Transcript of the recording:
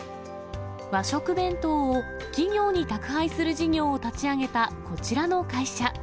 和食弁当を企業に宅配する事業を立ち上げた、こちらの会社。